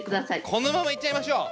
このままいっちゃいましょう。